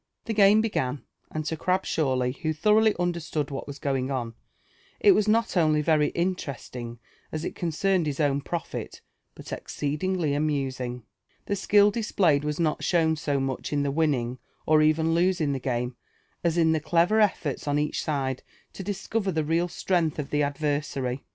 The game began; and to Grabshawly, who thoroughly understood what was going on, it was not only very interesting as it concerned his own profit, but exceedingly amusing. The skill displayed was not shown so much in the winning or even losing the game, as in the clever elTorts on each side to discover the real strength of the adver sary.